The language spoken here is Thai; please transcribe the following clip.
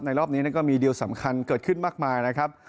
รอบนี้ก็มีดีลสำคัญเกิดขึ้นมากมายนะครับ